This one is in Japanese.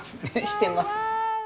してます。